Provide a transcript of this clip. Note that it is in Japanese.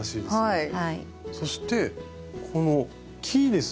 はい。